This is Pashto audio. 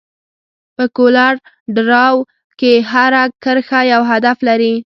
په کولر ډراو کې هره کرښه یو هدف لري.